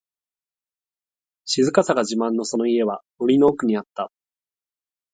静かさが自慢のその家は、森の奥にあった。